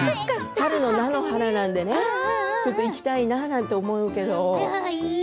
春の菜の花なので行きたいなと思うけど。